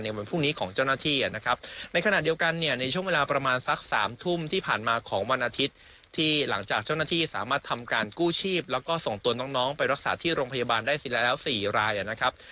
วันพรุ่งนี้ของเจ้าหน้าที่นะครับในขณะเดียวกันเนี่ยในช่วงเวลาประมาณสักสามทุ่มที่ผ่านมาของวันอาทิตย์ที่หลังจากเจ้าหน้าที่สามารถทำการกู้ชีพแล้วก็ส่งตัวน้องไปรักษาที่โรงพยาบาลได้เสร็จแล้วแล้ว๔รายนะครับ